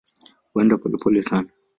Huenda polepole sana.